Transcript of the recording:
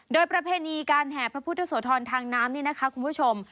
โดยประเพณีการแห่พระพุทธโสธรทางน้ำนี่นะคะคุณผู้ชม